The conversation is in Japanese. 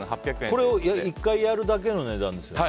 これを１回やるだけの値段ですよね。